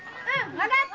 わかった！